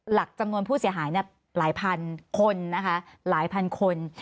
หลักจำนวนผู้เสียหายหลายพันคนนะคะหลายพันคน